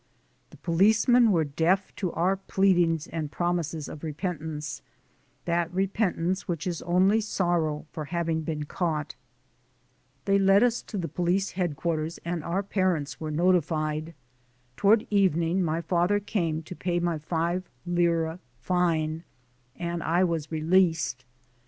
The policemen were deaf to our pleadings and promises of repentance that repentance which is only sorrow for having been caught. They led us to police headquarters and our parents were notified. Toward evening my father came to pay my five lire fine, and I was re leased.